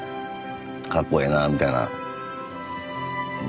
かっこええなみたいなうん。